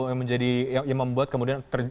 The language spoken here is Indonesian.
yang membuat kemudian